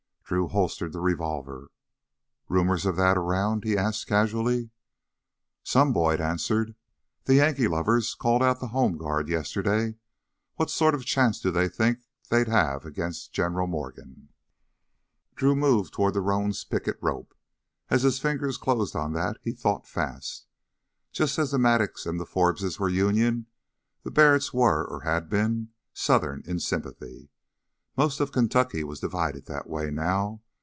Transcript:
Drew holstered the revolver. "Rumors of that around?" he asked casually. "Some," Boyd answered. "The Yankee lovers called out the Home Guard yesterday. What sort of a chance do they think they'll have against General Morgan?" Drew moved toward the roan's picket rope. As his fingers closed on that he thought fast. Just as the Mattocks and the Forbeses were Union, the Barretts were, or had been, Southern in sympathy. Most of Kentucky was divided that way now.